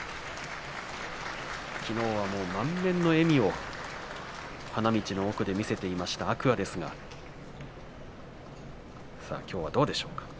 きのうは満面の笑みを花道の奥で見せていました天空海ですがきょうは、どうでしょうか。